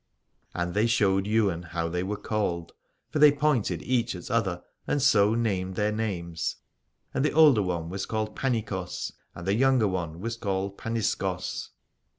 And they showed Ywain how they were called : for they pointed each at other and so named their names, and the older one was called Panikos and the younger one was called Paniskos.